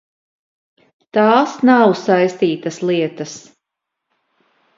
Tās nav saistītas lietas.